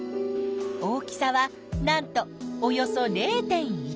大きさはなんとおよそ０．１ｍｍだよ！